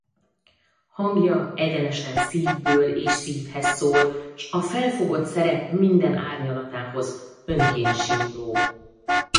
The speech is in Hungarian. Hangja egyenesen szívből és szívhez szól s a felfogott szerep minden árnyalatához önként simuló.